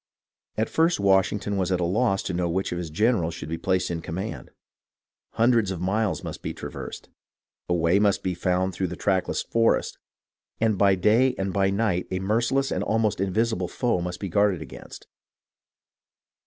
At first Washington was at a loss to know which of his generals should be placed in command. Hundreds of miles must be traversed, a way must be found through a trackless forest, and by day and by night a merci less and almost invisible foe must be guarded against.